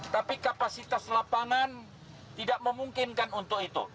tapi kapasitas lapangan tidak memungkinkan untuk itu